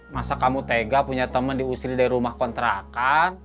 masa kamu tega punya teman diusir dari rumah kontrakan